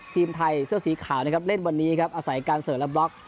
ทีมไทยเสื้อสีขาวเล่นวันนี้อาศัยการเสิร์ชและบล็อก